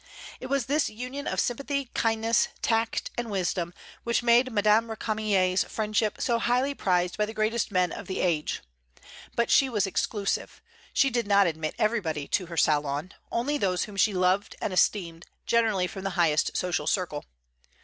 It was this union of sympathy, kindness, tact, and wisdom which made Madame Récamier's friendship so highly prized by the greatest men of the age. But she was exclusive; she did not admit everybody to her salon, only those whom she loved and esteemed, generally from the highest social circle.